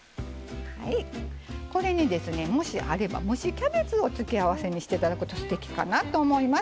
これにですねもしあれば蒸しキャベツを付け合わせにして頂くとすてきかなと思います。